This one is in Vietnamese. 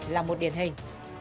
là một điển hình